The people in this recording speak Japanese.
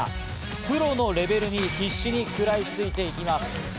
プロのレベルにしっかりくらいついていきます。